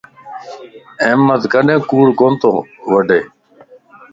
احمد ڪڏين ڪوڙ ڪوتو وڊائي